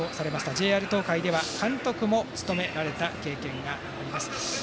ＪＲ東海では監督も務められた経験があります。